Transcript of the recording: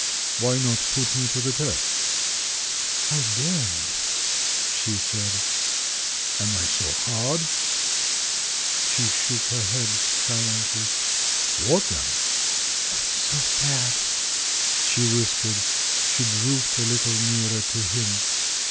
*'Why not put me to the test?" "I daren't," she said. "Am I so hard?" She shook her head, silently. "What then?" "I'm so bad," she whispered. She drooped a little nearer to him.